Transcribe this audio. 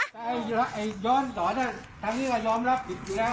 แต่ย้อนสอนทางนี้ก็ยอมรับผิดอยู่แล้ว